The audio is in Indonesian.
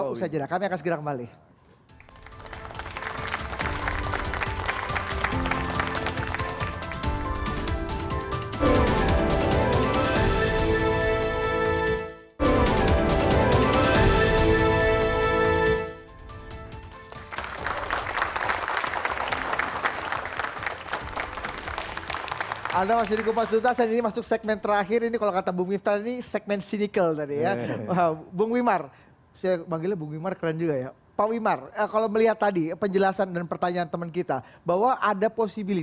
pak wimar akan jawab usaha jenak kami akan segera kembali